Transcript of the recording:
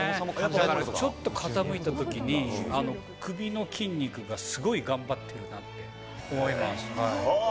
だからちょっと傾いたときに、首の筋肉がすごい頑張ってるなって思います。